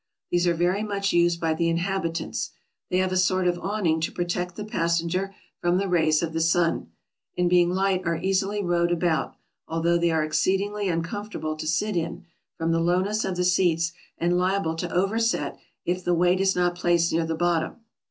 These are very much used by the inhabi tants. They have a sort of awning to protect the pas senger from the rays of the sun ; and being light are easily rowed about, although they are exceedingly uncomfortable to sit in, from the lowness of the seats, and liable to over set if the weight is not placed near the bottom.